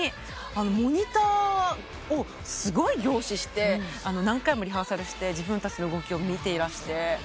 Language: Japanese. モニターをすごい凝視して何回もリハーサルして自分たちの動きを見ていらして。